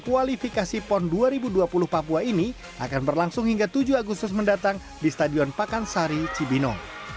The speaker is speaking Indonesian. kualifikasi pon dua ribu dua puluh papua ini akan berlangsung hingga tujuh agustus mendatang di stadion pakansari cibinong